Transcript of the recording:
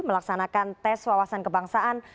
melaksanakan tes wawasan kebangsaan